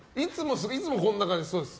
いつもこんな感じです。